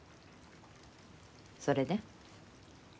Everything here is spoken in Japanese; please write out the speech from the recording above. それで？